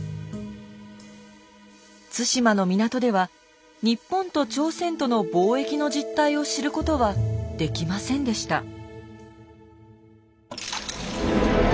対馬の港では日本と朝鮮との貿易の実態を知ることはできませんでした。